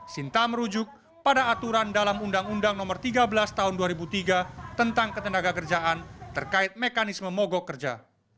sinta merujuk pada aturan dalam undang undang no tiga belas tahun dua ribu tiga tentang ketenaga kerjaan terkait mekanisme mogok kerja